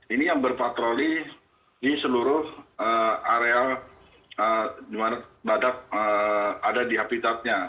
ini yang berpatroli di seluruh area badak yang ada di habitatnya